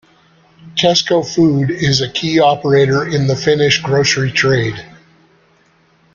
Kesko Food is a key operator in the Finnish grocery trade.